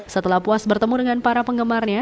setelah puas bertemu dengan para penggemarnya